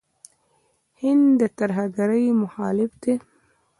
هند د ترهګرۍ مخالف دی.